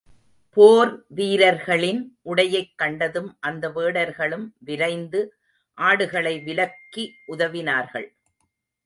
போர் வீரர்களின் உடையைக் கண்டதும் அந்த வேடர்களும், விரைந்து, ஆடுகளை விலக்கி உதவினார்கள்.